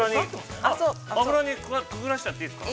◆油にくぐらせちゃっていいですか。